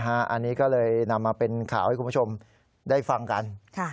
อันนี้ก็เลยนำมาเป็นข่าวให้คุณผู้ชมได้ฟังกัน